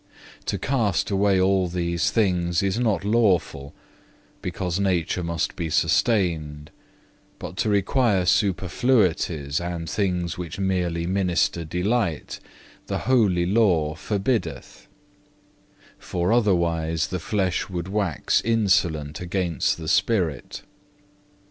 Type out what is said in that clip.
To cast away all these things is not lawful, because nature must be sustained, but to require superfluities and things which merely minister delight, the holy law forbiddeth; for otherwise the flesh would wax insolent against the spirit.